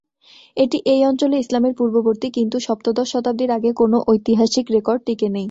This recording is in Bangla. এটি এই অঞ্চলে ইসলামের পূর্ববর্তী, কিন্তু সপ্তদশ শতাব্দীর আগে কোনও ঐতিহাসিক রেকর্ড টিকে নেই।